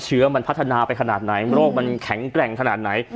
เชื้อมันพัฒนาไปขนาดไหนโรคมันแข็งแกร่งขนาดไหน